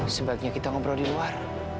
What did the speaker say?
sebaiknya kita ngobrol di luar